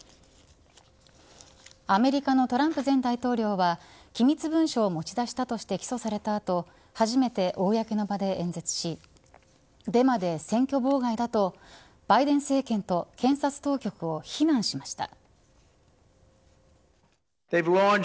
アメリカのトランプ前大統領は機密文書を持ち出したとして起訴された後初めて公の場で演説しデマで選挙妨害だとバイデン政権と検察当局を非難しました。